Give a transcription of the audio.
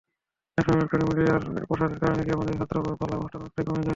একসময় ইলেকট্রনিক মিডিয়ার প্রসারের কারণে গ্রামাঞ্চলে যাত্রাপালা অনুষ্ঠান অনেকটাই কমে যায়।